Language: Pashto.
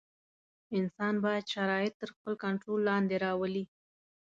انسان باید شرایط تر خپل کنټرول لاندې راولي.